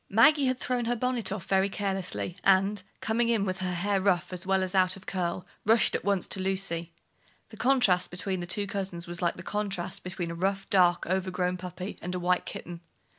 Maggie had thrown her bonnet off very carelessly, and, coming in with her hair rough as well as out of curl, rushed at once to Lucy. The contrast between the two cousins was like the contrast between a rough, dark, overgrown puppy and a white kitten.